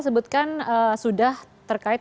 sebutkan sudah terkait